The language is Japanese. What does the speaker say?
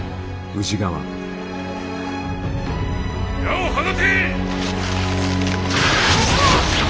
矢を放て！